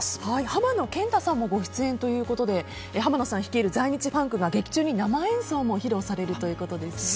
浜野謙太さんもご出演ということで浜野さん率いる在日ファンクが劇中に生演奏も披露されるということですね。